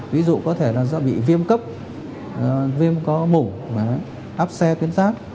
ví dụ có thể là do bị viêm cấp viêm có mổ áp xe tuyến rác